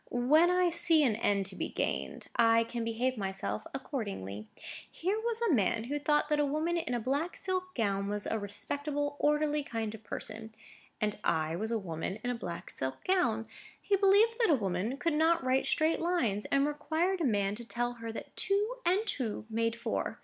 When I see an end to be gained, I can behave myself accordingly. Here was a man who thought that a woman in a black silk gown was a respectable, orderly kind of person; and I was a woman in a black silk gown. He believed that a woman could not write straight lines, and required a man to tell her that two and two made four.